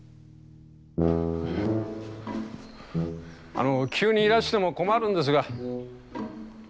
あの急にいらしても困るんですが。